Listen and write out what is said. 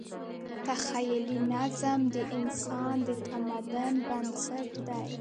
تخیلي نظم د انسان د تمدن بنسټ دی.